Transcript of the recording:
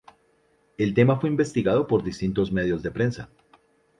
El tema fue investigado por distintos medios de prensa.